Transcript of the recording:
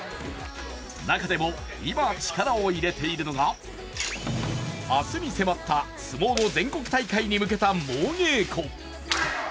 中でも今、力を入れているのが明日に迫った相撲の全国大会に向けた猛稽古。